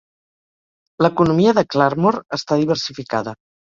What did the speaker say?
L'economia de Claremore està diversificada.